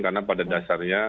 karena pada dasarnya